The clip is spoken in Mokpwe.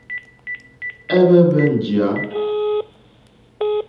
Ɛ́hwɛ́ǃhwɛ́ njìyá.